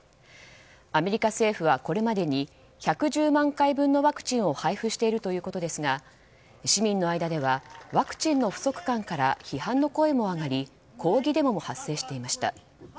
アメリカ政府はこれまでに１１０万回分のワクチンを配布しているということですが市民の間ではワクチンの不足感から批判の声も上がり抗議デモも発生していました。